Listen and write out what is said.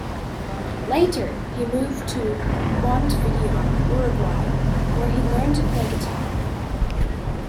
Later he moved to Montevideo, Uruguay, where he learned to play guitar.